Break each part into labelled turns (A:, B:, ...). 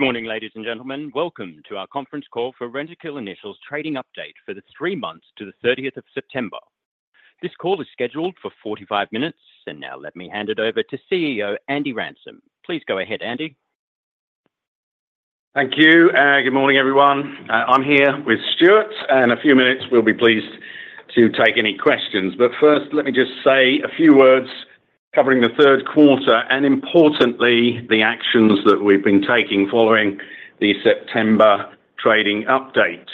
A: Good morning, ladies and gentlemen. Welcome to our Conference Call for Rentokil Initial's Trading update for the three months to the 30 September. This call is scheduled for 45 minutes, and now let me hand it over to CEO Andy Ransom. Please go ahead, Andy.
B: Thank you, and good morning, everyone. I'm here with Stuart, and in a few minutes, we'll be pleased to take any questions. First, let me just say a few words covering Q3 and importantly, the actions that we've been taking following the September trading update.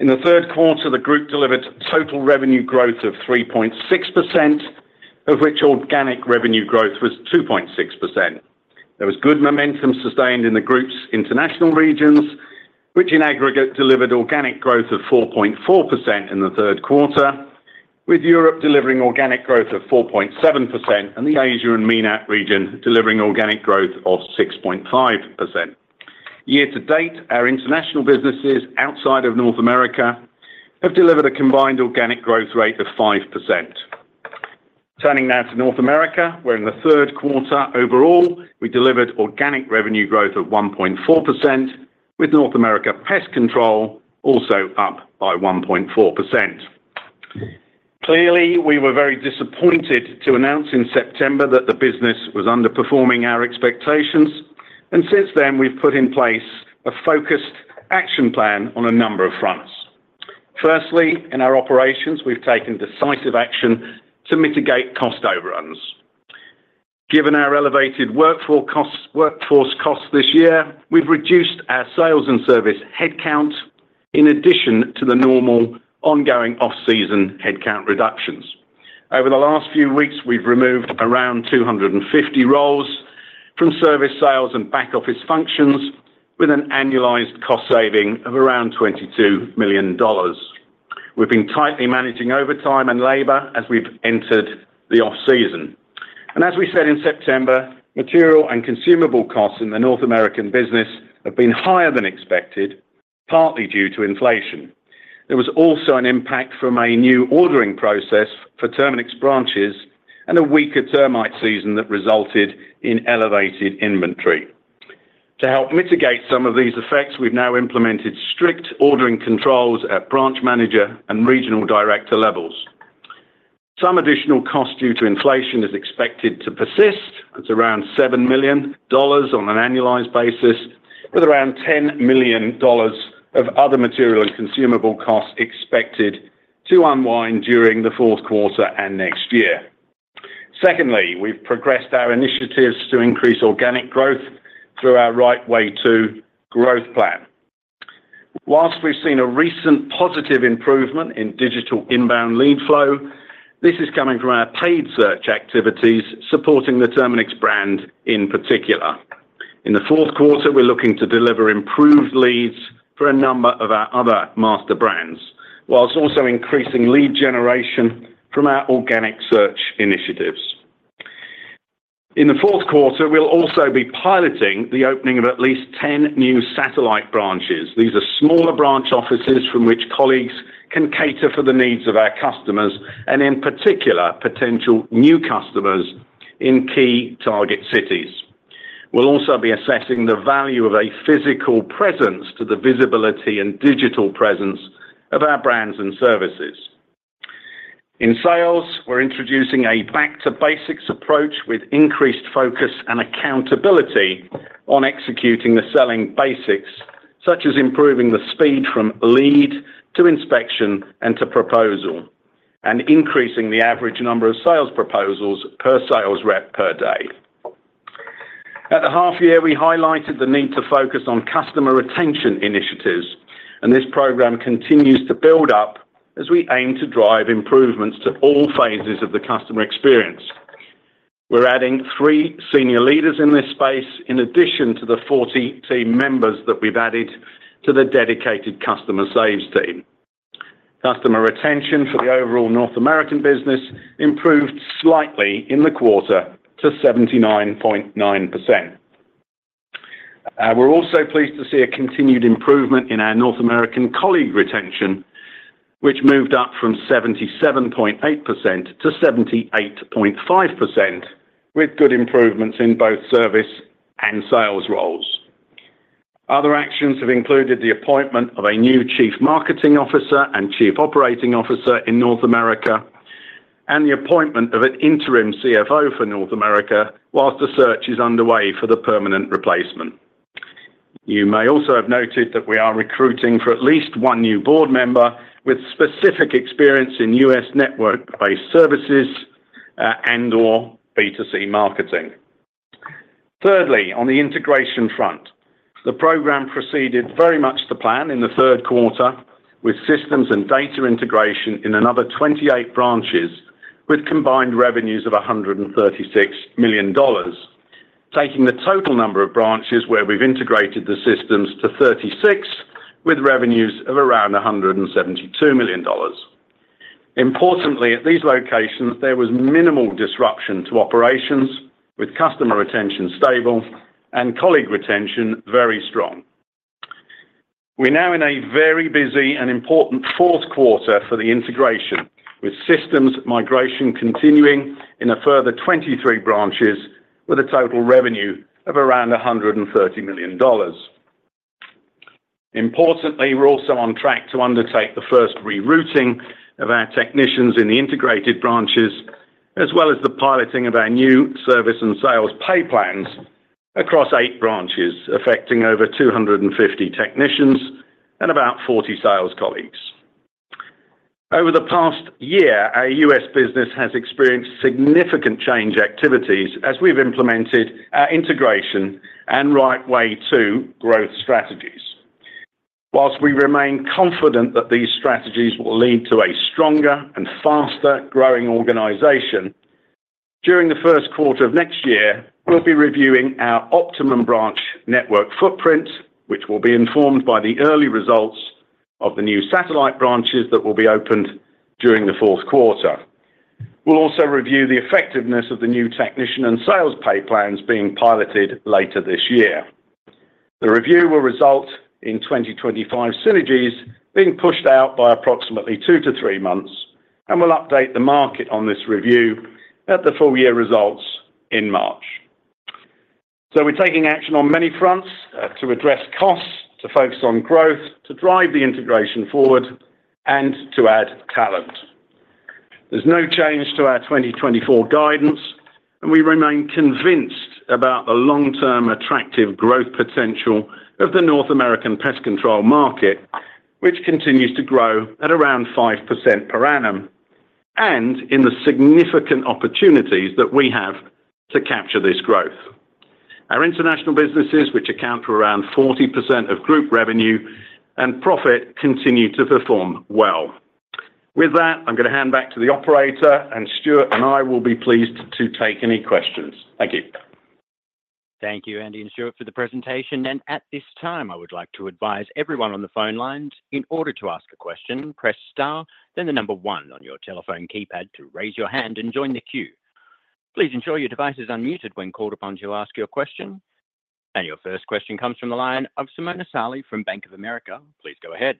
B: In Q3, the group delivered total revenue growth of 3.6%, of which organic revenue growth was 2.6%. There was good momentum sustained in the group's international regions, which in aggregate, delivered organic growth of 4.4% in Q3, with Europe delivering organic growth of 4.7% and the Asia and MENA region delivering organic growth of 6.5%. Year to date, our international businesses outside of North America have delivered a combined organic growth rate of 5%. Turning now to North America, where in Q3 overall, we delivered organic revenue growth of 1.4%, with North America Pest Control also up by 1.4%. Clearly, we were very disappointed to announce in September that the business was underperforming our expectations, and since then, we've put in place a focused action plan on a number of fronts. Firstly, in our operations, we've taken decisive action to mitigate cost overruns. Given our elevated workforce costs, workforce costs this year, we've reduced our sales and service headcount in addition to the normal ongoing off-season headcount reductions. Over the last few weeks, we've removed around 250 roles from service, sales, and back-office functions, with an annualized cost saving of around $22 million. We've been tightly managing overtime and labor as we've entered the off-season. As we said in September, material and consumable costs in the North American business have been higher than expected, partly due to inflation. There was also an impact from a new ordering process for Terminix branches and a weaker termite season that resulted in elevated inventory. To help mitigate some of these effects, we've now implemented strict ordering controls at branch manager and regional director levels. Some additional cost due to inflation is expected to persist. It's around $7 million on an annualized basis, with around $10 million of other material and consumable costs expected to unwind during Q4 and next year. Secondly, we've progressed our initiatives to increase organic growth through our Right Way to Growth plan. Whilst we've seen a recent positive improvement in digital inbound lead flow, this is coming from our paid search activities supporting the Terminix brand in particular. In Q4, we're looking to deliver improved leads for a number of our other master brands, while also increasing lead generation from our organic search initiatives. In Q4, we'll also be piloting the opening of at least 10 new satellite branches. These are smaller branch offices from which colleagues can cater for the needs of our customers and in particular, potential new customers in key target cities. We'll also be assessing the value of a physical presence to the visibility and digital presence of our brands and services. In sales, we're introducing a back-to-basics approach with increased focus and accountability on executing the selling basics, such as improving the speed from lead to inspection and to proposal, and increasing the average number of sales proposals per sales rep per day. At the half year, we highlighted the need to focus on customer retention initiatives, and this program continues to build up as we aim to drive improvements to all phases of the customer experience. We're adding three senior leaders in this space, in addition to the 40 team members that we've added to the dedicated customer saves team. Customer retention for the overall North American business improved slightly in Quarter to 79.9%. We're also pleased to see a continued improvement in our North American colleague retention, which moved up from 77.8% to 78.5%, with good improvements in both service and sales roles. Other actions have included the appointment of a new Chief Marketing Officer and Chief Operating Officer in North America, and the appointment of an interim CFO for North America, while the search is underway for the permanent replacement. You may also have noted that we are recruiting for at least one new board member with specific experience in U.S. network-based services, and/or B2C marketing. Thirdly, on the integration front, the program proceeded very much to plan in Q3 with systems and data integration in another 28 branches, with combined revenues of $136 million, taking the total number of branches where we've integrated the systems to 36, with revenues of around $172 million. Importantly, at these locations, there was minimal disruption to operations, with customer retention stable and colleague retention very strong. We're now in a very busy and important Q4 for the integration, with systems migration continuing in a further 23 branches with a total revenue of around $130 million. Importantly, we're also on track to undertake the first rerouting of our technicians in the integrated branches, as well as the piloting of our new service and sales pay plans across 8 branches, affecting over 250 technicians and about 40 sales colleagues. Over the past year, our U.S. business has experienced significant change activities as we've implemented our integration and Right Way to Growth strategies. While we remain confident that these strategies will lead to a stronger and faster-growing organization, during Q1 of next year, we'll be reviewing our optimum branch network footprint, which will be informed by the early results of the new satellite branches that will be opened during Q4. We'll also review the effectiveness of the new technician and sales pay plans being piloted later this year. The review will result in 2025 synergies being pushed out by approximately two to three months, and we'll update the market on this review at the full year results in March. We're taking action on many fronts, to address costs, to focus on growth, to drive the integration forward, and to add talent. There's no change to our 2024 guidance, and we remain convinced about the long-term attractive growth potential of the North American pest control market, which continues to grow at around 5% per annum, and in the significant opportunities that we have to capture this growth. Our international businesses, which account for around 40% of group revenue and profit, continue to perform well. With that, I'm gonna hand back to the operator, and Stuart and I will be pleased to take any questions. Thank you.
A: Thank you, Andy and Stuart, for the presentation. And at this time, I would like to advise everyone on the phone lines, in order to ask a question, press star, then the number one on your telephone keypad to raise your hand and join Queue. Please ensure your device is unmuted when called upon to ask your question. And your first question comes from the line of Simona Sarli from Bank of America. Please go ahead.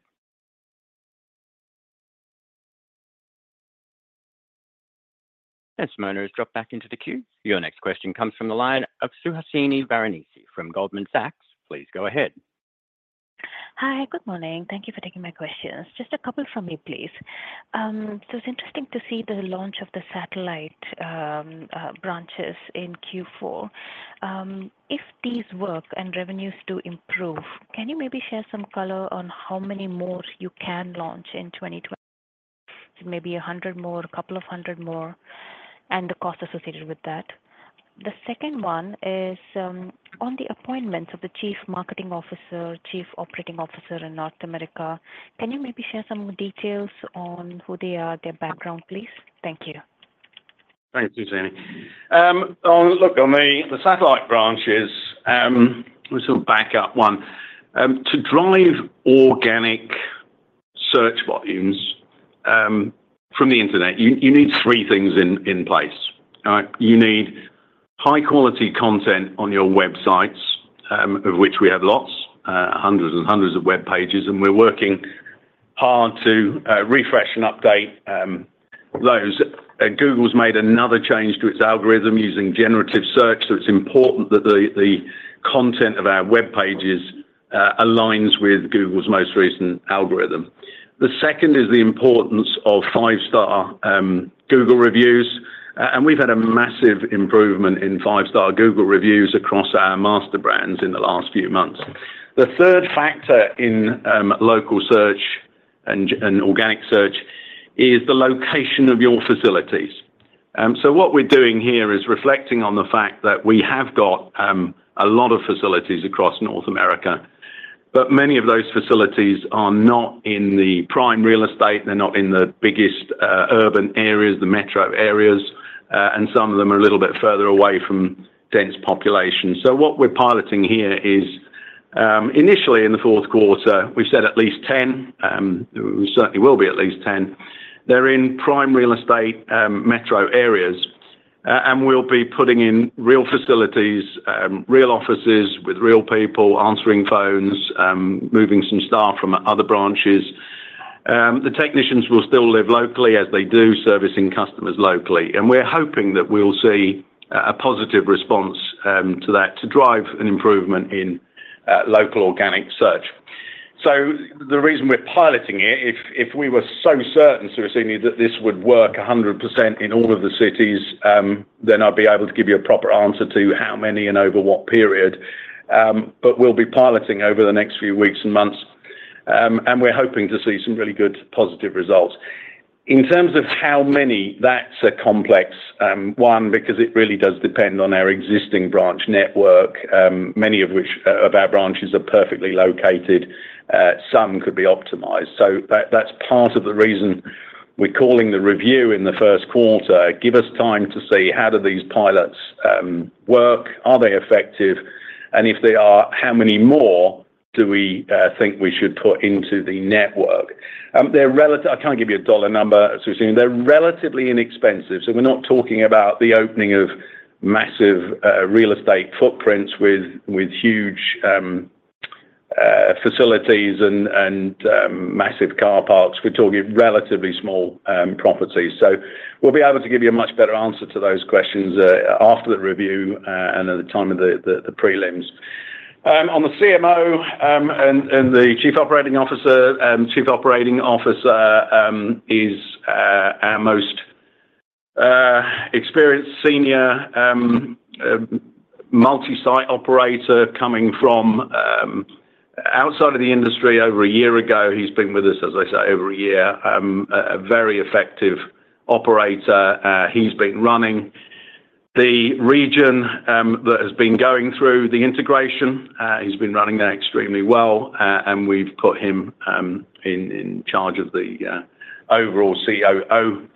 A: And Simona has dropped back into Queue. Your next question comes from the line of Suhasini Varanasi from Goldman Sachs. Please go ahead.
C: Hey, good morning. Thank you for taking my questions. Just a couple from me, please. It's interesting to see the launch of the satellite branches in Q4. If these work and revenues do improve, can you maybe share some color on how many more you can launch in 2020? Maybe a hundred more, a couple of hundred more, and the cost associated with that. The second one is on the appointments of the Chief Marketing Officer, Chief Operating Officer in North America. Can you maybe share some more details on who they are, their background, please? Thank you.
B: Thank you, Suhasini. Let's look at the satellite branches. We sort of back up one. To drive organic search volumes from the internet, you need three things in place. You need high-quality content on your websites, of which we have lots, hundreds and hundreds of web pages, and we're working hard to refresh and update those. Google's made another change to its algorithm using generative search, it's important that the content of our web pages aligns with Google's most recent algorithm. The second is the importance of five-star Google reviews, and we've had a massive improvement in five-star Google reviews across our master brands in the last few months. The third factor in local search and organic search is the location of your facilities. What we're doing here is reflecting on the fact that we have got a lot of facilities across North America, but many of those facilities are not in the prime real estate. They're not in the biggest urban areas, the metro areas, and some of them are a little bit further away from dense population. What we're piloting here is initially in Q4. We've said at least 10, certainly will be at least 10. They're in prime real estate, metro areas. We'll be putting in real facilities, real offices with real people, answering phones, moving some staff from other branches. The technicians will still live locally as they do, servicing customers locally. And we're hoping that we'll see a positive response to that to drive an improvement in local organic search. The reason we're piloting it, if we were so certain, Suhasini, that this would work 100% in all of the cities, then I'd be able to give you a proper answer to how many and over what period. We'll be piloting over the next few weeks and months, and we're hoping to see some really good positive results. In terms of how many, that's a complex one because it really does depend on our existing branch network, many of which, of our branches are perfectly located, some could be optimized. That, that's part of the reason we're calling the review in Q1. Give us time to see how do these pilots work, are they effective, and if they are, how many more do we think we should put into the network? They're relative I can't give you a dollar number, Susie. They're relatively inexpensive, so we're not talking about the opening of massive real estate footprints with huge facilities and massive car parks. We're talking relatively small properties. We'll be able to give you a much better answer to those questions after the review and at the time of the prelims. On the CMO and the Chief Operating Officer is our most experienced senior multi-site operator coming from outside of the industry over a year ago. He's been with us, as I say, over a year. A very effective operator. He's been running the region that has been going through the integration. He's been running that extremely well, and we've put him in charge of the overall COO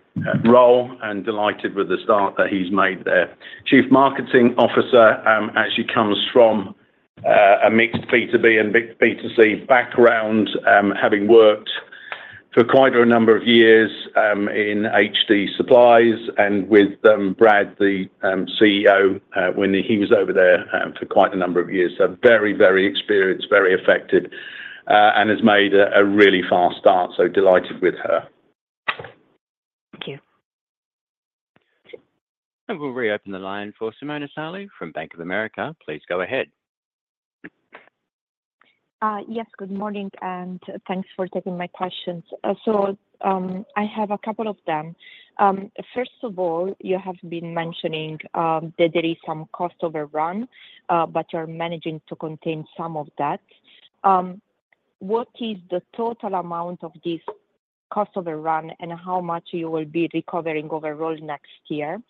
B: role, and delighted with the start that he's made there. Chief Marketing Officer actually comes from a mixed B2B and B2C background, having worked for quite a number of years in HD Supply and with Brad, the CEO, when he was over there for quite a number of years. Very, very experienced, very effective, and has made a really fast start, so delighted with her.
C: Thank you.
A: We'll reopen the line for Simona Sarli from Bank of America. Please go ahead.
D: Yes, good morning, and thanks for taking my questions. I have a couple of them. First of all, you have been mentioning that there is some cost overrun, but you're managing to contain some of that. What is the total amount of this cost overrun, and how much you will be recovering overall next year?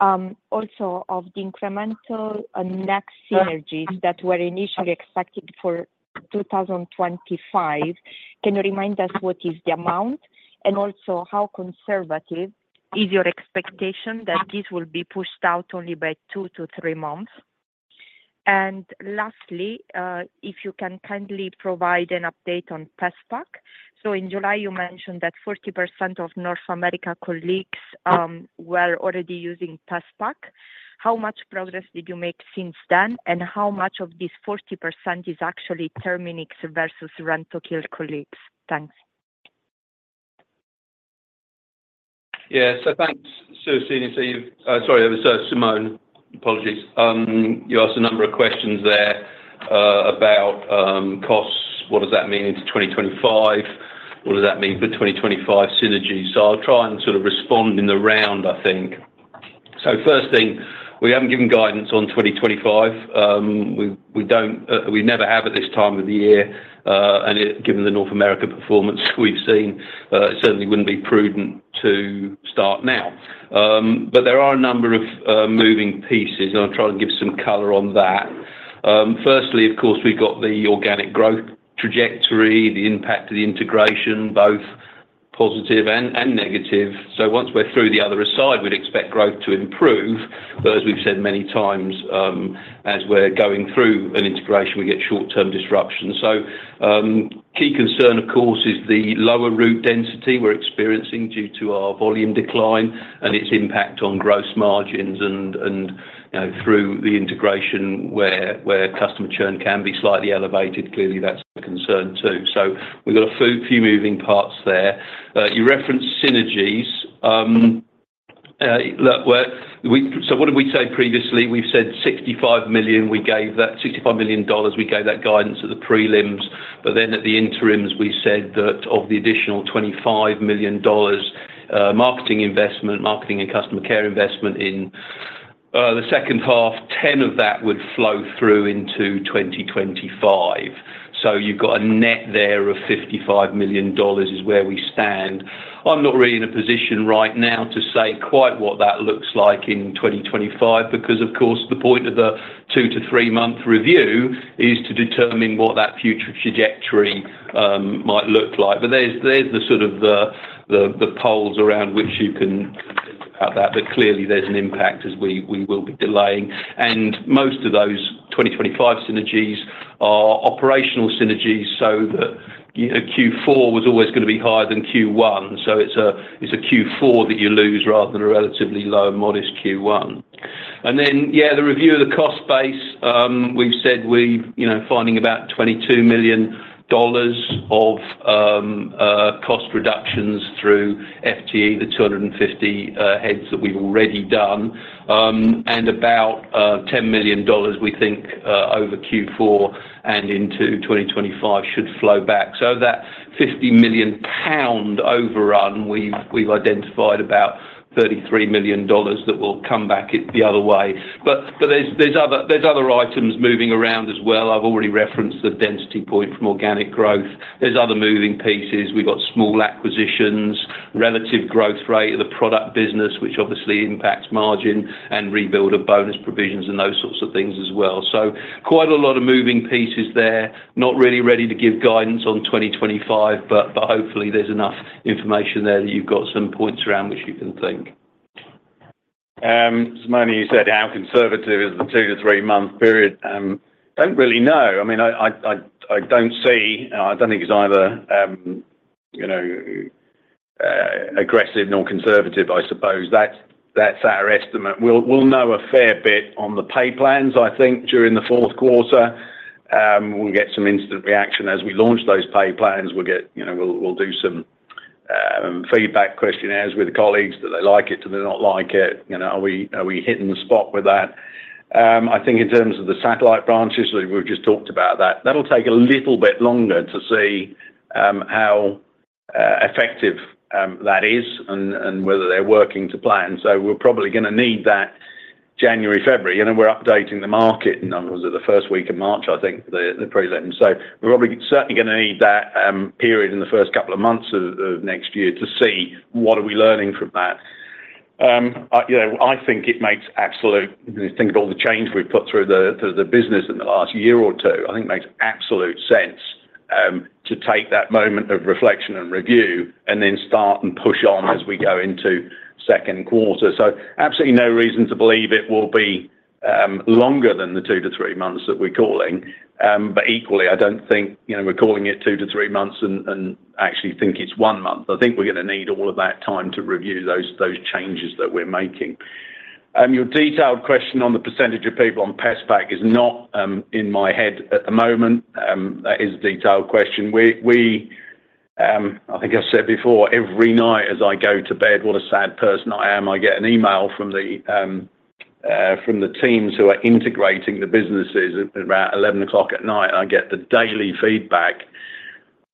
D: Also, of the incremental next synergies that were initially expected for two thousand and twenty-five, can you remind us what is the amount? Also, how conservative is your expectation that this will be pushed out only by two to three months? Lastly, if you can kindly provide an update on PestPac. In July, you mentioned that 40% of North America colleagues were already using PestPac. How much progress did you make since then? How much of this 40% is actually Terminix versus Rentokil colleagues? Thanks.
E: Thanks, Susie. Sorry, Simona. Apologies. You asked a number of questions there, about costs. What does that mean into 2025? What does that mean for 2025 synergies? I'll try and sort of respond in the round, I think. First thing, we haven't given guidance on twenty twenty-five. We don't. We never have at this time of the year, and it, given the North America performance we've seen, it certainly wouldn't be prudent to start now. There are a number of moving pieces, and I'll try to give some color on that. Firstly, of course, we've got the organic growth trajectory, the impact of the integration, both positive and negative. Once we're through the other side, we'd expect growth to improve. As we've said many times, as we're going through an integration, we get short-term disruption. So, key concern, of course, is the lower route density we're experiencing due to our volume decline and its impact on gross margins and, you know, through the integration where customer churn can be slightly elevated. Clearly, that's a concern too. We've got a few moving parts there. You referenced synergies. Look, what did we say previously? We've said $65 million. We gave that $65 million. We gave that guidance at the prelims, but then at the interims, we said that of the additional $25 million, marketing investment, marketing and customer care investment in the second half, $10 million of that would flow through into 2025. You've got a net there of $55 million is where we stand. I'm not really in a position right now to say quite what that looks like in 2025 because, of course, the point of the two to three-month review is to determine what that future trajectory might look like. There's the sort of the poles around which you can think about that, but clearly, there's an impact as we will be delaying. Most of those 2025 synergies are operational synergies so that, you know, Q4 was always gonna be higher than Q1. So it's a Q4 that you lose rather than a relatively low, modest Q1. The review of the cost base. We've said we've, you know, finding about $22 million of cost reductions through FTE, the 250 heads that we've already done, and about $10 million we think over Q4 and into 2025 should flow back. That 50 million pound overrun, we've identified about $33 million that will come back in the other way. There's other items moving around as well. I've already referenced the density point from organic growth. There's other moving pieces. We've got small acquisitions, relative growth rate of the product business, which obviously impacts margin, and rebuild of bonus provisions and those sorts of things as well. Quite a lot of moving pieces there. Really ready to give guidance on 2025, hopefully there's enough information there that you've got some points around which you can think.
B: Simona, you said how conservative is the two to three-month period? Don't really know. I mean, I don't see. I don't think it's either, you know, aggressive nor conservative. I suppose that, that's our estimate. We'll know a fair bit on the pay plans, I think, during Q4. We'll get some instant reaction. As we launch those pay plans, we'll get, you know, we'll do some feedback questionnaires with colleagues. Do they like it? Do they not like it? You know, are we hitting the spot with that? I think in terms of the satellite branches, we've just talked about that. That'll take a little bit longer to see how effective that is and whether they're working to plan. We're probably gonna need that January, February. You know, we're updating the market in, was it the first week of March, I think, the prelim. We're probably certainly gonna need that period in the first couple of months of next year to see what are we learning from that. You know, I think it makes absolute... When you think about all the change we've put through the business in the last year or two, I think it makes absolute sense to take that moment of reflection and review and then start and push on as we go into Q2. Absolutely no reason to believe it will be longer than the two to three months that we're calling. But equally, I don't think, you know, we're calling it two to three months and actually think it's one month. I think we're gonna need all of that time to review those changes that we're making. Your detailed question on the percentage of people on PestPac is not in my head at the moment. That is a detailed question. I think I've said before, every night as I go to bed, what a sad person I am, I get an email from the teams who are integrating the businesses. At about 11:00 P.M., I get the daily feedback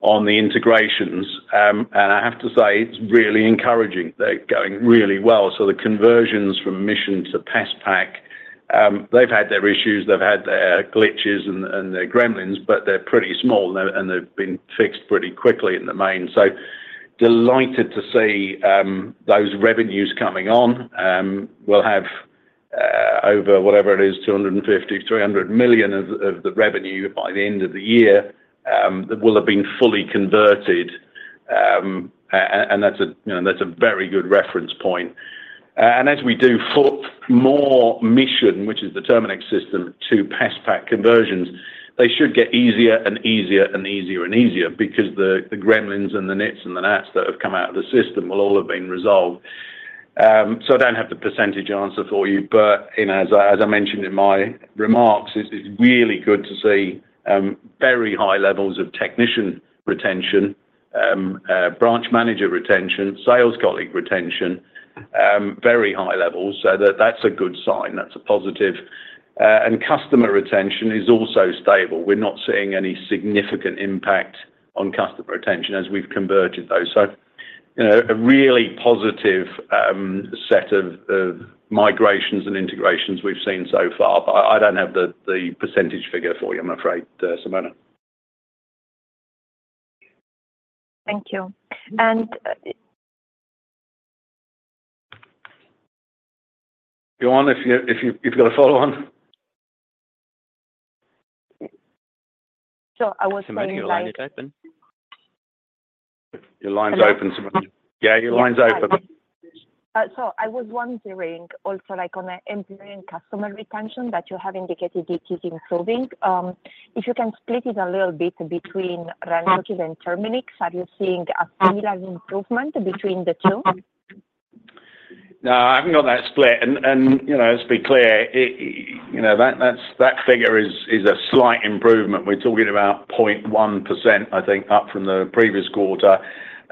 B: on the integrations, and I have to say, it's really encouraging. They're going really well. The conversions from Mission to PestPac, they've had their issues, they've had their glitches and their gremlins, but they're pretty small, and they've been fixed pretty quickly in the main. Delighted to see those revenues coming on. We'll have over whatever it is, $250 to 300 million of the revenue by the end of the year that will have been fully converted. And that's a, you know, that's a very good reference point. As we do forth more Mission, which is the Terminix system, to PestPac conversions, they should get easier and easier and easier and easier because the gremlins and the nits and the nats that have come out of the system will all have been resolved. I don't have the percentage answer for you, but you know, as I mentioned in my remarks, it's really good to see very high levels of technician retention, branch manager retention, sales colleague retention, very high levels. That is a good sign. That's a positive. And customer retention is also stable. We're not seeing any significant impact on customer retention as we've converged those. You know, a really positive set of migrations and integrations we've seen so far, I don't have the percentage figure for you, I'm afraid, Simona.
D: Thank you.
B: Go on, if you've got a follow-on.
D: I was wondering like-
A: Simona, your line is open.
B: Your line's open, Simona. Your line's open.
D: I was wondering also, like, on the employee and customer retention that you have indicated it is improving, if you can split it a little bit between Rentokil and Terminix, are you seeing a similar improvement between the two?
B: No, I haven't got that split. You know, let's be clear, that figure is a slight improvement. We're talking about 0.1%, I think, up from the previous quarter.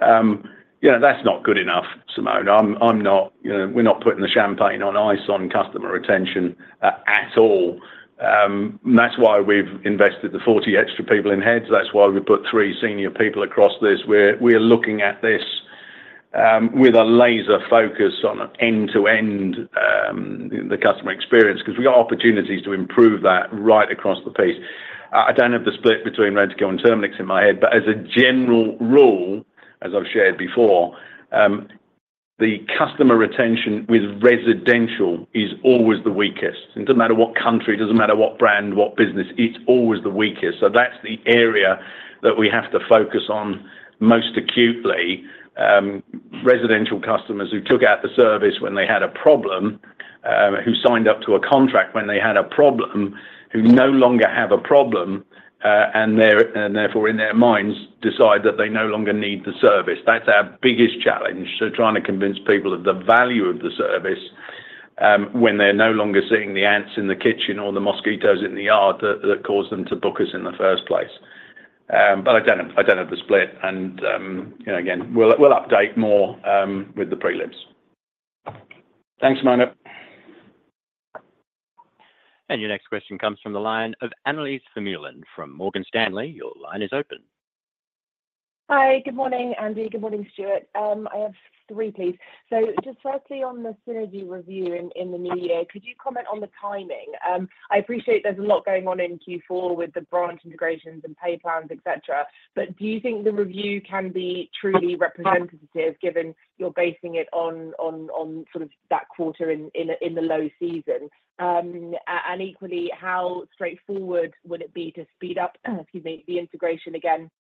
B: You know, that's not good enough, Simona. I'm not, you know... We're not putting the champagne on ice on customer retention at all. That's why we've invested the 40 extra people in heads. That's why we put 3 senior people across this. We're looking at this with a laser focus on end-to-end the customer experience, because we've got opportunities to improve that right across the piece. I don't have the split between Rentokil and Terminix in my head, but as a general rule, as I've shared before, the customer retention with residential is always the weakest. It doesn't matter what country, doesn't matter what brand, what business, it's always the weakest. So that's the area that we have to focus on most acutely. Residential customers who took out the service when they had a problem, who signed up to a contract when they had a problem, who no longer have a problem, and they're, and therefore, in their minds, decide that they no longer need the service. That's our biggest challenge. Trying to convince people of the value of the service, when they're no longer seeing the ants in the kitchen or the mosquitoes in the yard that caused them to book us in the first place. I don't have the split, and, you know, again, we'll update more, with the prelims. Thanks, Simona.
A: Your next question comes from the line of Annelise Vermeulen from Morgan Stanley. Your line is open.
F: Hey, good morning, Andy. Good morning, Stuart. I have three, please. Just firstly, on the synergy review in the new year, could you comment on the timing? I appreciate there's a lot going on in Q4 with the branch integrations and pay plans, et cetera, but do you think the review can be truly representative, given you're basing it on sort of that quarter in the low season? Equally, how straightforward would it be to speed up, excuse me, the integration again?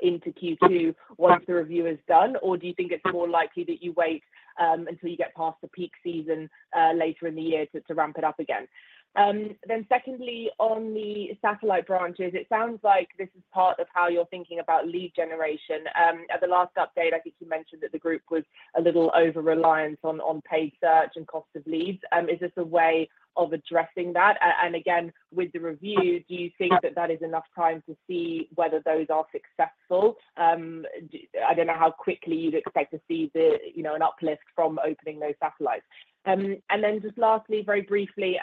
F: Into Q2 once the review is done? Or do you think it's more likely that you wait until you get past the peak season later in the year to ramp it up again? Secondly, on the satellite branches, it sounds like this is part of how you're thinking about lead generation. At the last update, I think you mentioned that the group was a little over-reliant on paid search and cost of leads. Is this a way of addressing that? Again, with the review, do you think that that is enough time to see whether those are successful? I don't know how quickly you'd expect to see the, you know, an uplift from opening those satellites. Just lastly, very briefly,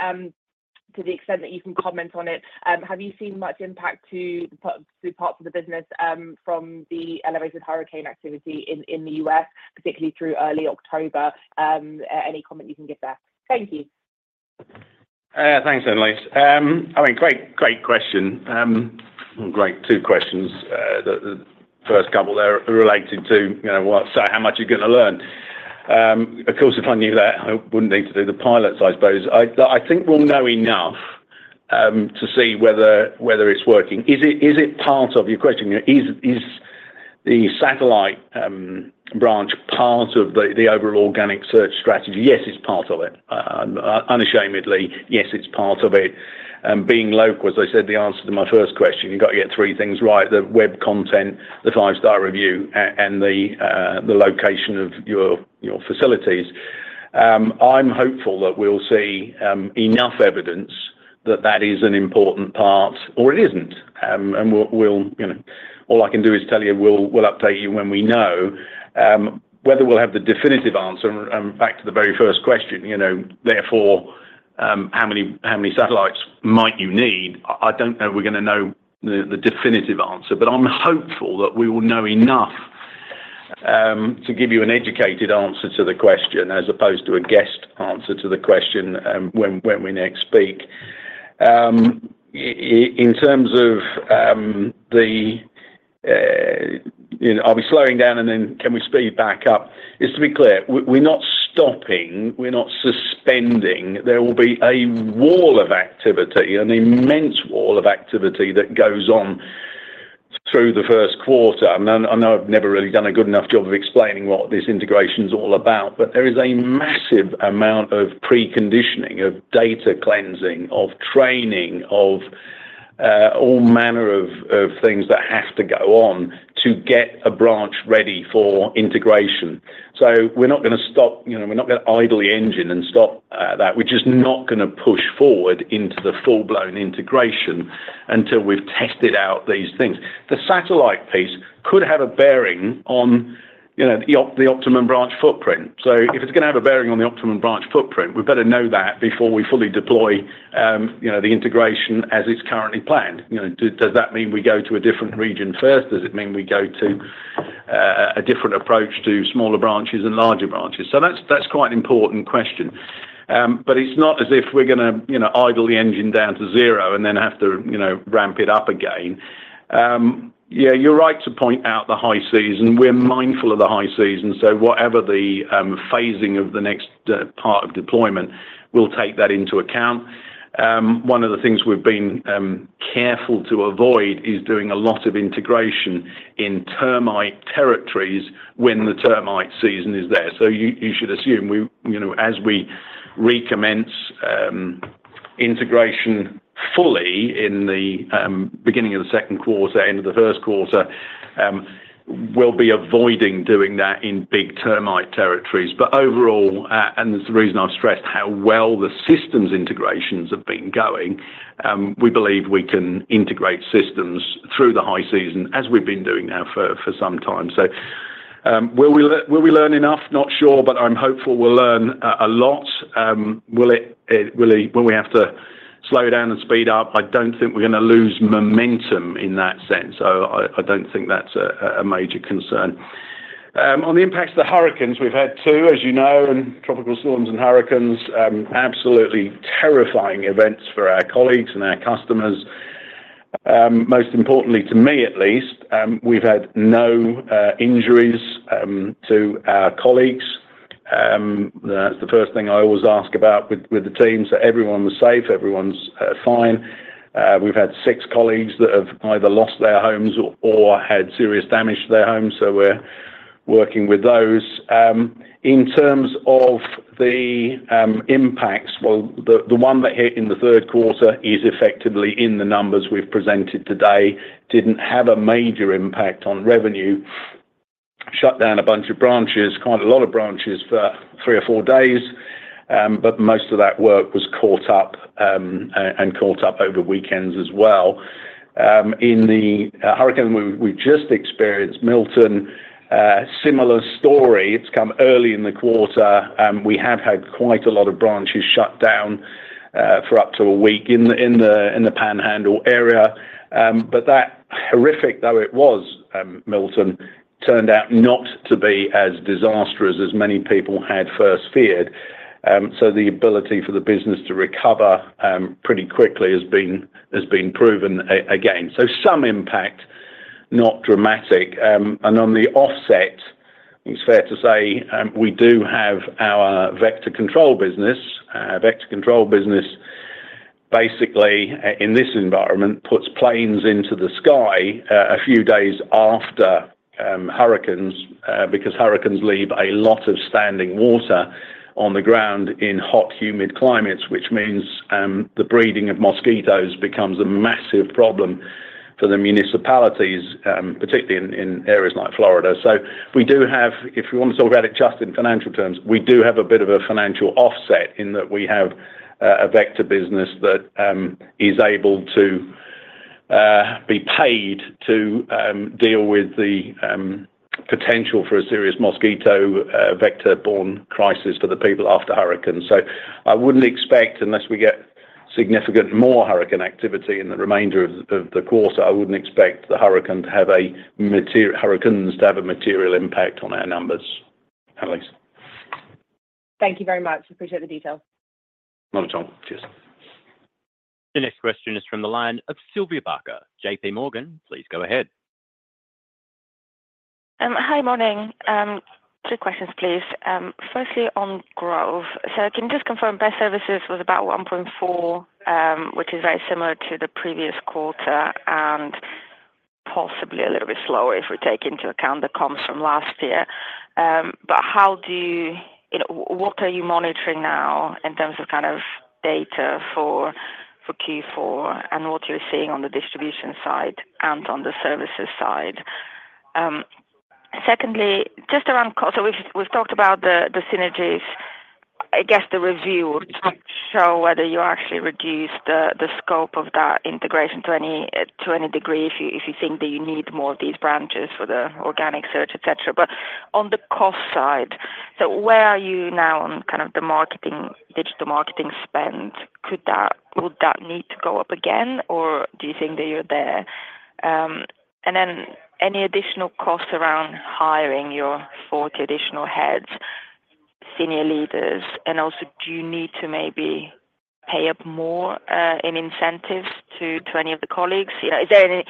F: to the extent that you can comment on it, have you seen much impact to the through parts of the business, from the elevated hurricane activity in the US, particularly through early October? Any comment you can give there. Thank you.
B: Thanks, Annelise. I mean, great, great question. Great two questions. The first couple there are related to, you know, what. How much are you gonna learn? Of course, if I knew that, I wouldn't need to do the pilots, I suppose. I think we'll know enough to see whether it's working. Is it part of... You're questioning, is the satellite branch part of the overall organic search strategy? Yes, it's part of it. Unashamedly, yes, it's part of it. Being local, as I said, the answer to my first question, you got to get three things right: the web content, the five-star review, and the location of your facilities. I'm hopeful that we'll see enough evidence that that is an important part, or it isn't. We'll, you know. All I can do is tell you, we'll update you when we know. Whether we'll have the definitive answer back to the very first question, you know, therefore, how many satellites might you need? I don't know we're gonna know the definitive answer, but I'm hopeful that we will know enough to give you an educated answer to Question, as opposed to a guessed answer to Question, when we next speak. In terms of, you know, are we slowing down and then can we speed back up? Just to be clear, we're not stopping, we're not suspending. There will be a wall of activity, an immense wall of activity that goes on through Q1. I know I've never really done a good enough job of explaining what this integration is all about, but there is a massive amount of preconditioning, of data cleansing, of training, of all manner of things that have to go on to get a branch ready for integration. We're not gonna stop, you know, we're not gonna idle the engine and stop that. We're just not gonna push forward into the full-blown integration until we've tested out these things. The satellite piece could have a bearing on, you know, the optimum branch footprint. If it's gonna have a bearing on the optimum branch footprint, we better know that before we fully deploy, you know, the integration as it's currently planned. You know, does that mean we go to a different region first? Does it mean we go to a different approach to smaller branches and larger branches? That's quite an important question. It's not as if we're gonna, you know, idle the engine down to zero and then have to, you know, ramp it up again. You're right to point out the high season. We're mindful of the high season, so whatever the phasing of the next part of deployment, we'll take that into account. One of the things we've been careful to avoid is doing a lot of integration in termite territories when the termite season is there. You should assume we, you know, as we recommence integration fully in the beginning of Q2, end of Q1, we'll be avoiding doing that in big termite territories. Overall, and the reason I've stressed how well the systems integrations have been going, we believe we can integrate systems through the high season as we've been doing now for some time. Will we learn enough? Not sure, but I'm hopeful we'll learn a lot. Will we, when we have to slow down and speed up, I don't think we're gonna lose momentum in that sense. I don't think that's a major concern. On the impacts of the hurricanes, we've had two, as you know, and tropical storms and hurricanes, absolutely terrifying events for our colleagues and our customers. Most importantly, to me, at least, we've had no injuries to our colleagues. That's the first thing I always ask about with the teams, that everyone was safe, everyone's fine. We've had six colleagues that have either lost their homes or had serious damage to their homes, so we're working with those. In terms of the impacts, well, the one that hit in Q3 is effectively in the numbers we've presented today. Didn't have a major impact on revenue. Shut down a bunch of branches, quite a lot of branches, for three or four days, but most of that work was caught up and caught up over weekends as well. In the hurricane we just experienced, Milton, similar story. It's come early in Quarter, and we have had quite a lot of branches shut down for up to a week in the Panhandle area, but that, horrific though it was, Milton, turned out not to be as disastrous as many people had first feared, so the ability for the business to recover pretty quickly has been proven again, so some impact, not dramatic, and on the offset, it's fair to say, we do have our vector control business. Our vector control business basically in this environment puts planes into the sky a few days after hurricanes, because hurricanes leave a lot of standing water on the ground in hot, humid climates, which means the breeding of mosquitoes becomes a massive problem for the municipalities, particularly in areas like Florida. We do have, if we want to talk about it just in financial terms, we do have a bit of a financial offset in that we have a vector business that is able to be paid to deal with the potential for a serious mosquito vector-borne crisis for the people after hurricanes. I wouldn't expect, unless we get significant more hurricane activity in the remainder of Quarter, I wouldn't expect the hurricanes to have a material impact on our numbers. Alex?
F: Thank you very much. Appreciate the detail.
B: Anytime. Cheers.
A: The next question is from the line of Sylvia Barker, JPMorgan. Please go ahead.
G: Hey, morning. Two questions, please. Firstly, on growth. Can you just confirm pest services was about one point four, which is very similar to the previous quarter and possibly a little bit slower if we take into account the comps from last year. How do you. You know, what are you monitoring now in terms of kind of data for Q4 and what you're seeing on the distribution side and on the services side? Secondly, just around costs, so we've talked about the synergies, I guess the review to show whether you actually reduced the scope of that integration to any degree, if you think that you need more of these branches for the organic search, et cetera. On the cost side, so where are you now on kind of the marketing, digital marketing spend? Could that need to go up again, or do you think that you're there? Any additional costs around hiring your 40 additional heads, senior leaders, and also, do you need to maybe pay up more in incentives to any of the colleagues? You know, is there any...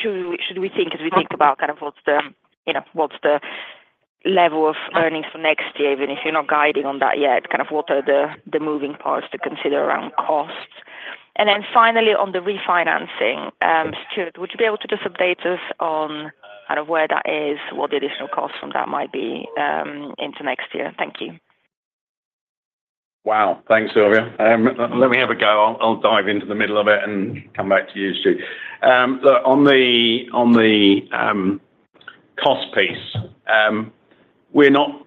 G: Should we think as we think about kind of what's the, you know, what's the level of earnings for next year, even if you're not guiding on that yet, kind of what are the moving parts to consider around costs? Finally, on the refinancing, Stuart, would you be able to just update us on kind of where that is, what the additional cost from that might be into next year? Thank you.
B: Wow! Thanks, Sylvia. Let me have a go. I'll dive into the middle of it and come back to you, Stuart. Look, on the cost piece, we're not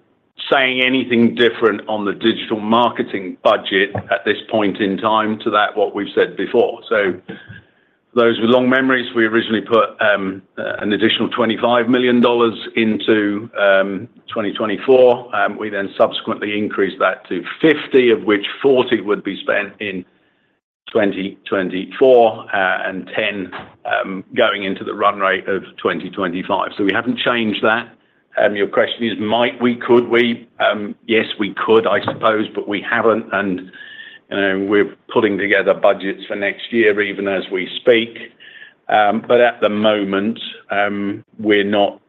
B: saying anything different on the digital marketing budget at this point in time to what we've said before. Those with long memories, we originally put an additional $25 million into 2024. We then subsequently increased that to $50 million, of which $40 million would be spent in 2024, and $10 million going into the run rate of 2025. We haven't changed that. Your question is, might we? Could we? Yes, we could, I suppose, but we haven't, you know, we're pulling together budgets for next year, even as we speak. At the moment, we're not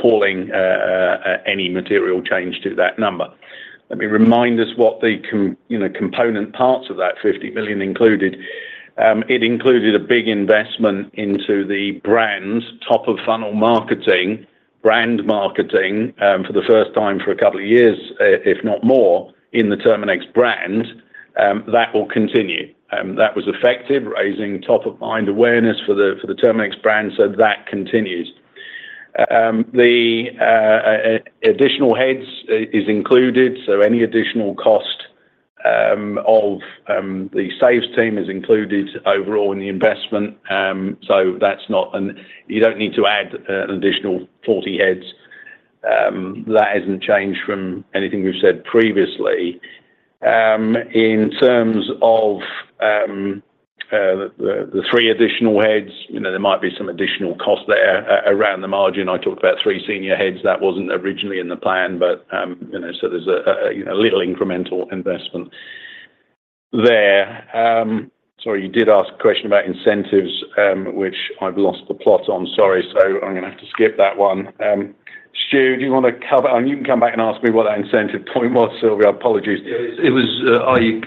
B: calling any material change to that number. Let me remind us what the, you know, component parts of that $50 million included. It included a big investment into the brands, top-of-funnel marketing, brand marketing, for the first time for a couple of years, if not more, in the Terminix brand, that will continue. That was effective, raising top-of-mind awareness for the Terminix brand, so that continues. The additional heads is included, so any additional cost of the sales team is included overall in the investment. So that's not. You don't need to add an additional 40 heads. That hasn't changed from anything we've said previously. In terms of the three additional heads, you know, there might be some additional costs there. Around the margin, I talked about three senior heads. That wasn't originally in the plan, but you know, so there's a little incremental investment there. Sorry, you did ask a question about incentives, which I've lost the plot on. Sorry, so I'm gonna have to skip that one. Stu, do you want to cover? You can come back and ask me what that incentive point was, Sylvia. Apologies.
E: Are you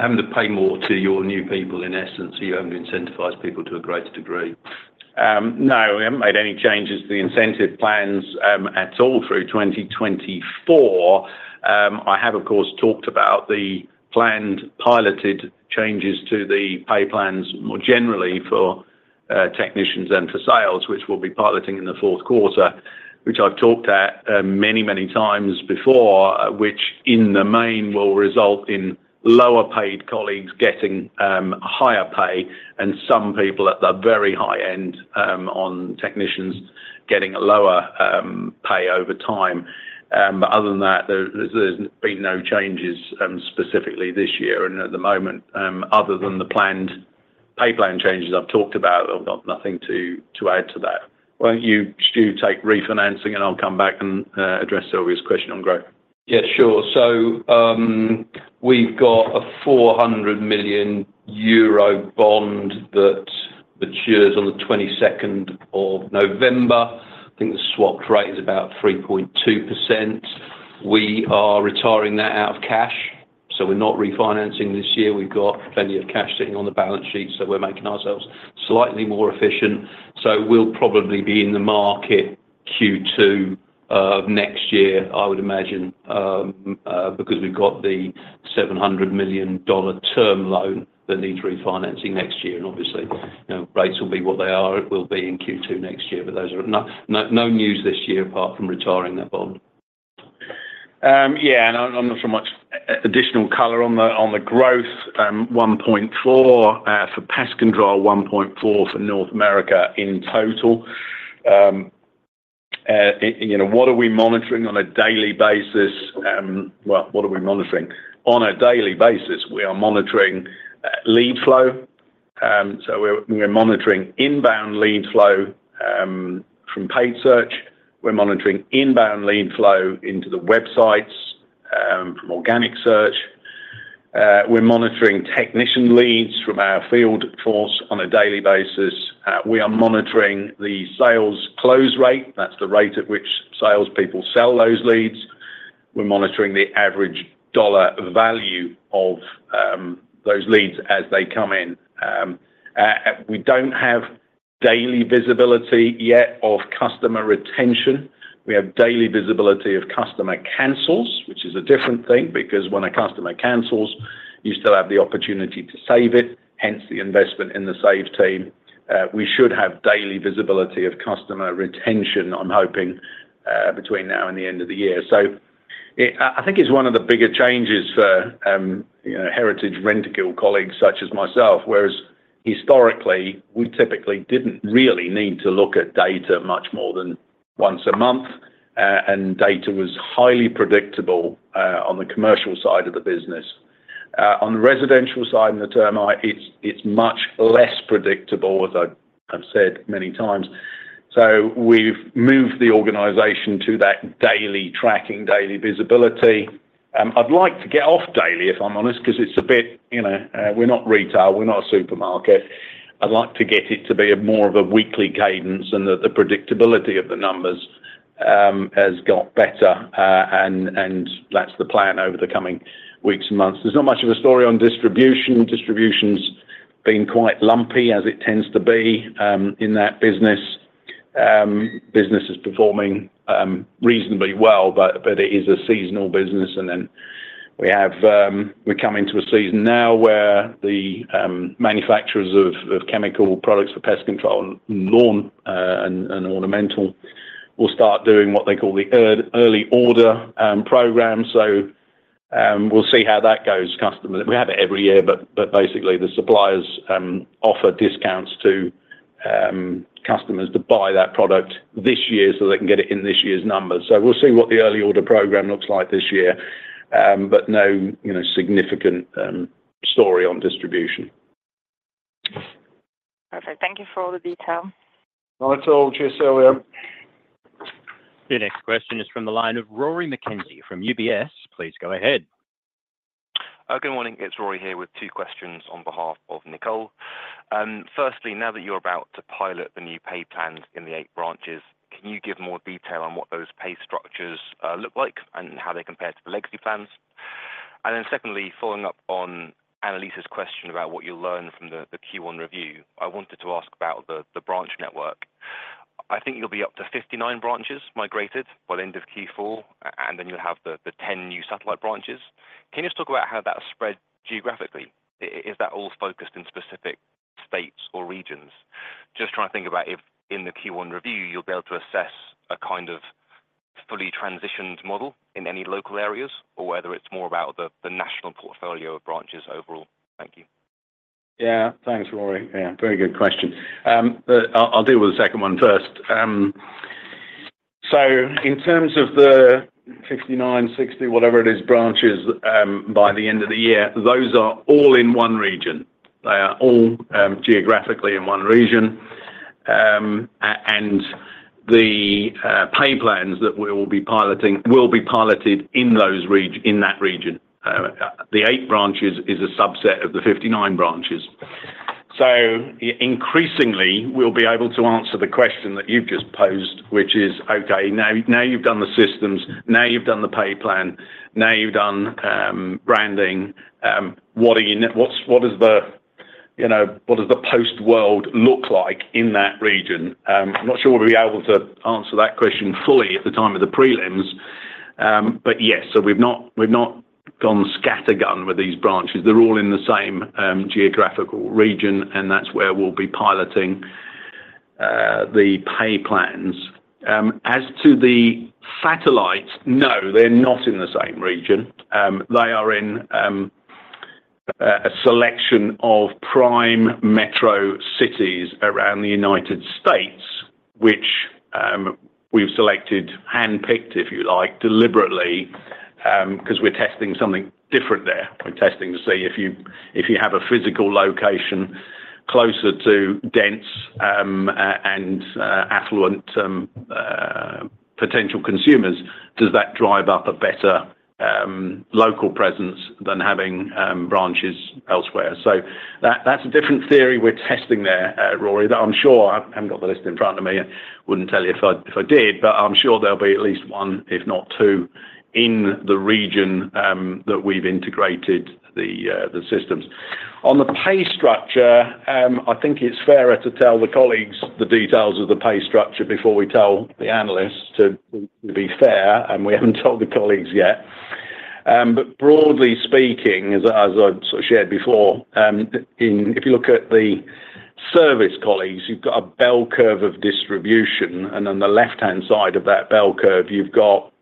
E: having to pay more to your new people? In essence, are you having to incentivize people to a greater degree?
B: No, we haven't made any changes to the incentive plans at all through 2024. I have, of course, talked about the planned piloted changes to the pay plans more generally for technicians and for sales, which we'll be piloting in Q4, which I've talked at many, many times before, which in the main, will result in lower paid colleagues getting higher pay and some people at the very high end on technicians getting a lower pay over time. Other than that, there's been no changes specifically this year and at the moment, other than the planned pay plan changes I've talked about, I've got nothing to add to that. Why don't you, Stuart, take refinancing, and I'll come back and address Sylvia's question on growth.
E: Yeah, sure. So, we've got a 400 million euro bond that. Matures on the 22 November. I think the swap rate is about 3.2%. We are retiring that out of cash, we're not refinancing this year. We've got plenty of cash sitting on the balance sheet, so we're making ourselves slightly more efficient. We'll probably be in the market Q2 of next year, I would imagine, because we've got the $700 million term loan that needs refinancing next year, and obviously, you know, rates will be what they are. It will be in Q2 next year, but those are no news this year, apart from retiring that bond. I'm not so much additional color on the growth, 1.4% for pest control, 1.4% for North America in total. You know, what are we monitoring on a daily basis? Well, what are we monitoring? On a daily basis, we are monitoring lead flow. We're monitoring inbound lead flow from paid search. We're monitoring inbound lead flow into the websites from organic search. We're monitoring technician leads from our field force on a daily basis. We are monitoring the sales close rate. That's the rate at which salespeople sell those leads. We're monitoring the average dollar value of those leads as they come in. We don't have daily visibility yet of customer retention. We have daily visibility of customer cancels, which is a different thing, because when a customer cancels, you still have the opportunity to save it, hence the investment in the save team. We should have daily visibility of customer retention, I'm hoping, between now and the end of the year. I think it's one of the bigger changes for, you know, Heritage Rentokil colleagues, such as myself, whereas historically, we typically didn't really need to look at data much more than once a month, and data was highly predictable on the commercial side of the business. On the residential side and the termite, it's much less predictable as I've said many times. We've moved the organization to that daily tracking, daily visibility. I'd like to get off daily, if I'm honest, because it's a bit, you know, we're not retail, we're not a supermarket. I'd like to get it to be more of a weekly cadence and that the predictability of the numbers has got better, and that's the plan over the coming weeks and months. There's not much of a story on distribution. Distribution's been quite lumpy as it tends to be in that business. Business is performing reasonably well, but it is a seasonal business, and then we have, we're coming to a season now where the manufacturers of chemical products for pest control and lawn and ornamental will start doing what they call the early order program. We'll see how that goes. We have it every year, but basically the suppliers offer discounts to customers to buy that product this year, so they can get it in this year's numbers.
B: We'll see what the early order program looks like this year, no, you know, significant story on distribution.
G: Perfect. Thank you for all the detail.
E: Not at all. Cheers, Sylvia.
A: The next question is from the line of Rory McKenzie from UBS. Please go ahead.
H: Good morning. It's Rory here with two questions on behalf of Nicole. Firstly, now that you're about to pilot the new pay plans in the eight branches, can you give more detail on what those pay structures look like and how they compare to the legacy plans? Secondly, following up on Annelise's question about what you'll learn from Q1 review, I wanted to ask about the branch network. I think you'll be up to 59 branches migrated by the end of Q4, and then you'll have the 10 new satellite branches. Can you just talk about how that spread geographically? Is that all focused in specific states or regions? Just trying to think about if in Q1 review, you'll be able to assess a kind of fully transitioned model in any local areas, or whether it's more about the, the national portfolio of branches overall. Thank you.
B: Thanks, Rory. very good question. I'll deal with the second one first. In terms of the sixty-nine, sixty, whatever it is, branches, by the end of the year, those are all in one region. They are all geographically in one region. The pay plans that we will be piloting will be piloted in those in that region. The eight branches is a subset of the 59 branches. Increasingly, we'll be able to answer Question that you've just posed, which is, okay, now you've done the systems, now you've done the pay plan, now you've done branding, what is the, you know, what does the post world look like in that region? I'm not sure we'll be able to answer that question fully at the time of the prelims, but yes, we've not gone scattergun with these branches. They're all in the same geographical region, and that's where we'll be piloting the pay plans. As to the satellites, no, they're not in the same region. They are in a selection of prime metro cities around the United States, which we've selected, handpicked, if you like, deliberately, because we're testing something different there. We're testing to see if you have a physical location closer to dense and affluent potential consumers, does that drive up a better local presence than having branches elsewhere? That, that's a different theory we're testing there, Rory, that I'm sure. I haven't got the list in front of me. I wouldn't tell you if I, if I did, but I'm sure there'll be at least one, if not two, in the region, that we've integrated the, the systems. On the pay structure, I think it's fairer to tell the colleagues the details of the pay structure before we tell the analysts, to, to be fair, and we haven't told the colleagues yet. Broadly speaking, as I, as I sort of shared before, if you look at the service colleagues, you've got a bell curve of distribution, and on the left-hand side of that bell curve, you've got,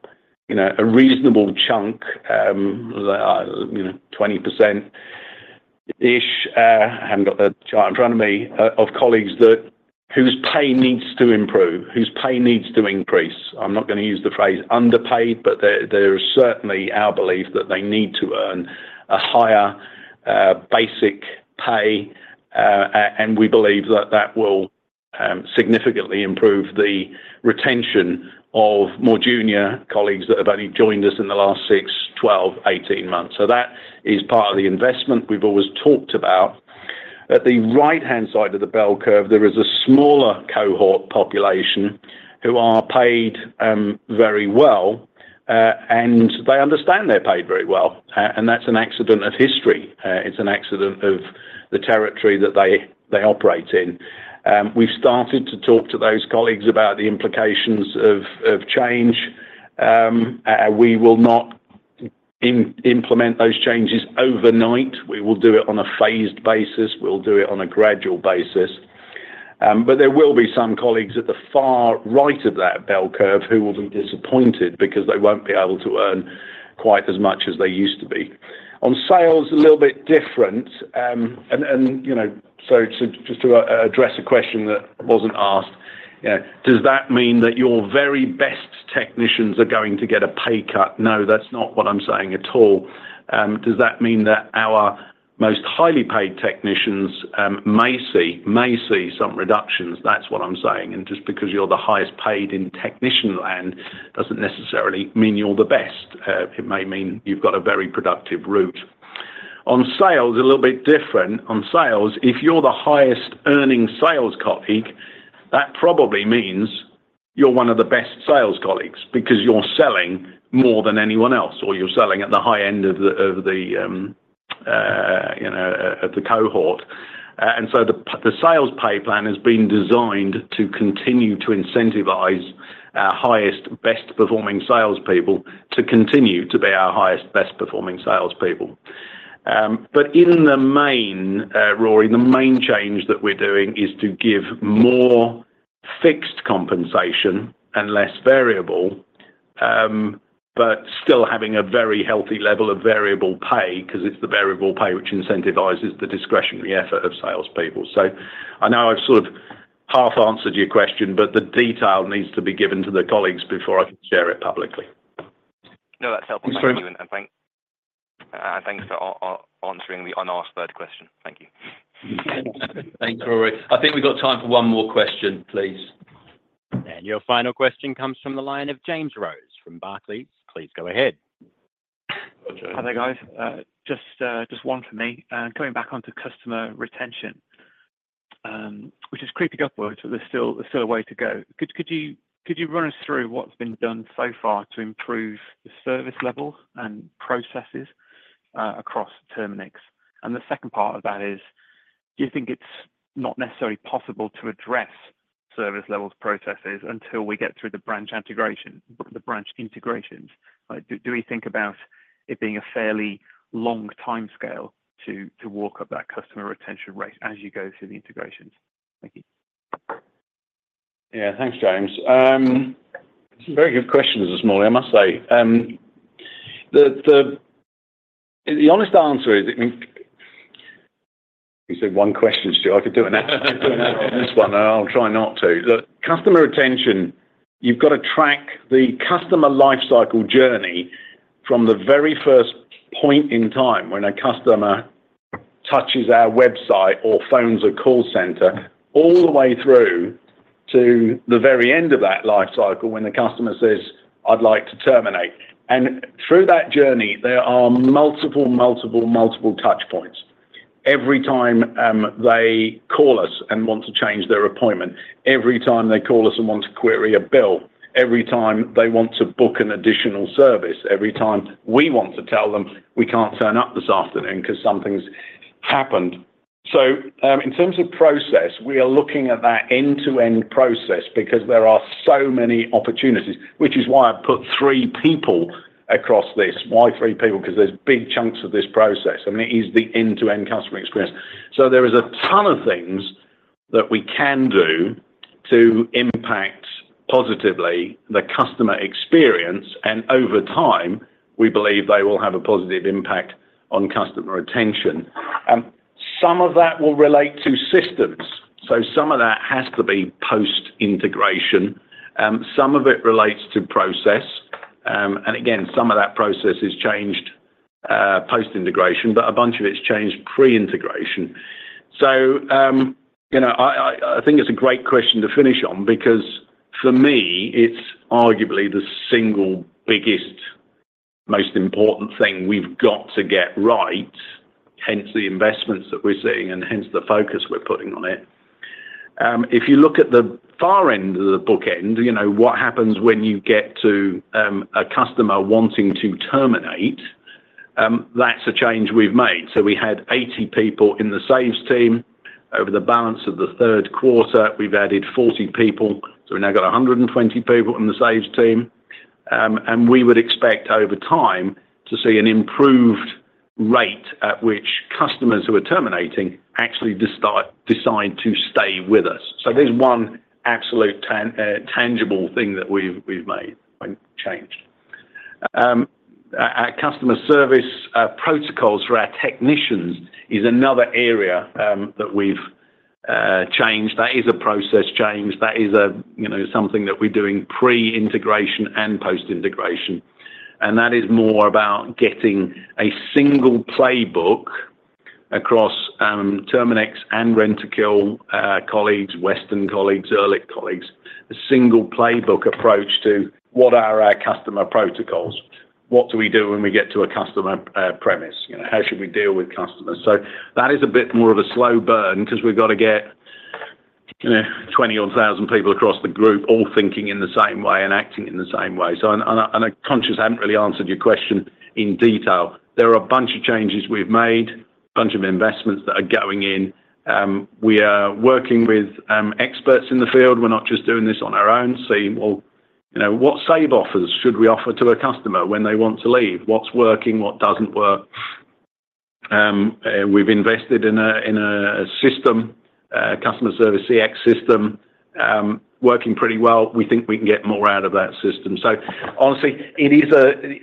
B: you know, a reasonable chunk, you know, 20%-ish, I haven't got the chart in front of me, of colleagues that whose pay needs to improve, whose pay needs to increase. I'm not gonna use the phrase underpaid, but they're, they're certainly our belief that they need to earn a higher, basic pay, and we believe that that will, significantly improve the retention of more junior colleagues that have only joined us in the last six, 12, 18 months. That is part of the investment we've always talked about. At the right-hand side of the bell curve, there is a smaller cohort population who are paid very well, and they understand they're paid very well, and that's an accident of history. It's an accident of the territory that they operate in. We've started to talk to those colleagues about the implications of change. We will not implement those changes overnight. We will do it on a phased basis. We'll do it on a gradual basis. There will be some colleagues at the far right of that bell curve who will be disappointed because they won't be able to earn quite as much as they used to be. On sales, a little bit different. You know, so just to address a question that wasn't asked, does that mean that your very best technicians are going to get a pay cut? No, that's not what I'm saying at all. Does that mean that our most highly paid technicians may see some reductions? That's what I'm saying. Just because you're the highest paid in technician land doesn't necessarily mean you're the best. It may mean you've got a very productive route. On sales, a little bit different. On sales, if you're the highest earning sales colleague, that probably means you're one of the best sales colleagues because you're selling more than anyone else, or you're selling at the high end of the cohort. The sales pay plan has been designed to continue to incentivize our highest, best-performing salespeople to continue to be our highest, best-performing salespeople. In the main, Rory, the main change that we're doing is to give more fixed compensation and less variable, but still having a very healthy level of variable pay, Because it's the variable pay which incentivizes the discretionary effort of salespeople. I know I've sort of half-answered your question, but the detail needs to be given to the colleagues before I can share it publicly.
H: No, that's helpful.
B: Thanks very much.
H: Thanks for answering the unasked third question. Thank you.
E: Thanks, Rory. I think we've got time for one more question, please.
A: Your final question comes from the line of James Rose from Barclays. Please go ahead.
I: Hey there, guys. Just one from me. Coming back onto customer retention, which is creeping upwards, but there's still a way to go. Could you run us through what's been done so far to improve the service level and processes across Terminix? The second part of that is, do you think it's not necessarily possible to address service level processes until we get the branch integration, the branch integrations? Like, do we think about it being a fairly long timescale to walk up that customer retention rate as you go through the integrations? Thank you.
B: Thanks, James. Very good questions this morning, I must say. The honest answer is, I mean. You said one question, Stuart. I could do another on this one, and I'll try not to. The customer retention, you've got to track the customer lifecycle journey from the very first point in time when a customer touches our website or phones a call center, all the way through to the very end of that life cycle, when the customer says, "I'd like to terminate." Through that journey, there are multiple, multiple, multiple touchpoints. Every time they call us and want to change their appointment, every time they call us and want to query a bill, every time they want to book an additional service, every time we want to tell them we can't turn up this afternoon 'cause something's happened. In terms of process, we are looking at that end-to-end process because there are so many opportunities, which is why I've put three people across this. Why three people? 'Cause there's big chunks of this process. I mean, it is the end-to-end customer experience. There is a ton of things that we can do to impact positively the customer experience, and over time, we believe they will have a positive impact on customer retention. Some of that will relate to systems, so some of that has to be post-integration. Some of it relates to process, and again, some of that process has changed post-integration, but a bunch of it's changed pre-integration. You know, I think it's a great question to finish on, because for me, it's arguably the single biggest, most important thing we've got to get right, hence the investments that we're seeing and hence the focus we're putting on it. If you look at the far end of the bookend, you know, what happens when you get to a customer wanting to terminate? That's a change we've made. We had 80 people in the saves team. Over the balance of Q3, we've added 40 people, so we've now got 120 people in the saves team. We would expect over time to see an improved rate at which customers who are terminating actually decide to stay with us. There's one absolute tangible thing that we've made and changed. Our customer service protocols for our technicians is another area that we've changed. That is a process change. That is a, you know, something that we're doing pre-integration and post-integration, and that is more about getting a single playbook across Terminix and Rentokil colleagues, Western colleagues, Ehrlich colleagues. A single playbook approach to what are our customer protocols? What do we do when we get to a customer premise? You know, how should we deal with customers, so that is a bit more of a slow burn because we've got to get twenty odd thousand people across the group all thinking in the same way and acting in the same way. I consciously haven't really answered your question in detail. There are a bunch of changes we've made, bunch of investments that are going in. We are working with experts in the field. We're not just doing this on our own, saying, Well, you know, what save offers should we offer to a customer when they want to leave? What's working? What doesn't work? We've invested in a customer service CX system working pretty well. We think we can get more out of that system. Honestly, it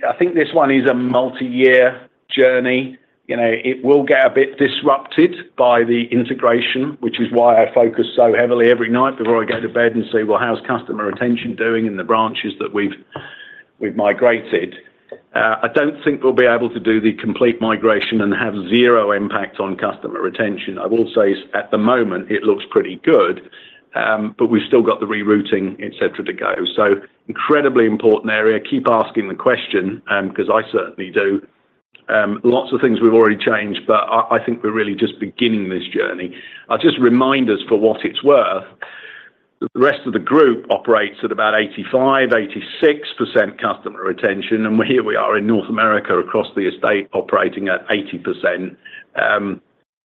B: is a multi-year journey. I think this one is a multi-year journey, you know. It will get a bit disrupted by the integration, which is why I focus so heavily every night before I go to bed and say, "Well, how's customer retention doing in the branches that we've migrated?" I don't think we'll be able to do the complete migration and have zero impact on customer retention. I will say at the moment it looks pretty good, but we've still got the rerouting, et cetera, to go, incredibly important area. Keep asking Question, because I certainly do. Lots of things we've already changed, but I think we're really just beginning this journey. I'll just remind us, for what it's worth, the rest of the group operates at about 85 to 86% customer retention, and here we are in North America across the estate, operating at 80%.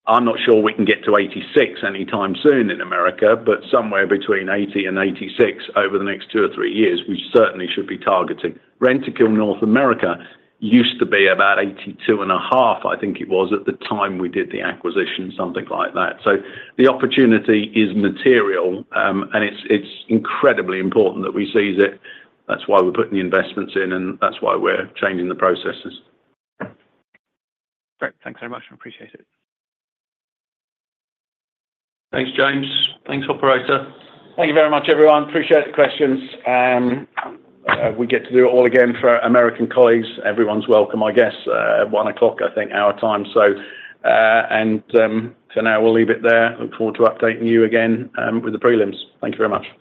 B: I'm not sure we can get to 86% anytime soon in America, but somewhere between 80% and 86% over the next two or three years, we certainly should be targeting. Rentokil North America used to be about 82.5%, I think it was, at the time we did the acquisition, something like that. The opportunity is material, and it's incredibly important that we seize it. That's why we're putting the investments in, and that's why we're changing the processes.
A: Great. Thanks very much. I appreciate it.
B: Thanks, James. Thanks, operator. Thank you very much, everyone. Appreciate Questions. We get to do it all again for our American colleagues. Everyone's welcome, I guess, at 1:00 P.M., I think, our time. For now, we'll leave it there. Look forward to updating you again, with the prelims. Thank you very much.